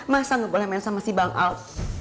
masa gak boleh main sama si bang al